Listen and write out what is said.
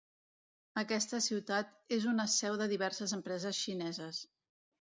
Aquesta ciutat és una seu de diverses empreses xineses.